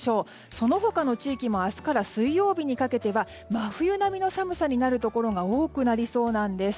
その他の地域も明日から水曜日にかけては真冬並みの寒さになるところが多くなりそうなんです。